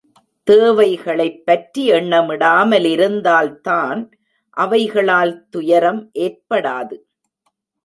தேவைகளைப் பற்றி எண்ணமிடாம லிருந்தால்தான் அவைகளால் துயரம் ஏற்படாது.